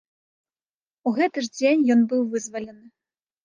У гэты ж дзень ён быў вызвалены.